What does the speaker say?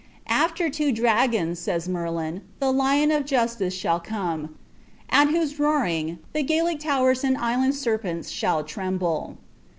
■* After two dragons," says Merlin, '■'■ the Lion of Justire shall oonC) at whose roaring the Gallic lowers and island serpents shall trembla."